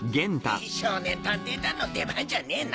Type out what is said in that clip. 少年探偵団の出番じゃねえな。